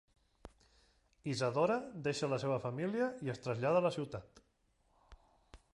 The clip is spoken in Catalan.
Isadora deixa la seva família i es trasllada a la ciutat.